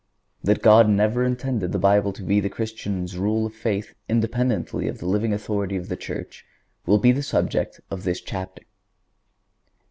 That God never intended the Bible to be the Christian's rule of faith, independently of the living authority of the Church, will be the subject of this chapter.